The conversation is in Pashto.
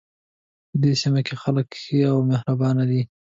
په دې سیمه کې خلک ښه دي او مهربانه دي